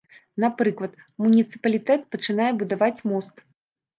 Напрыклад, муніцыпалітэт пачынае будаваць мост.